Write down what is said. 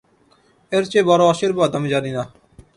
এর চেয়ে বড় আশীর্বাদ আমি জানি না।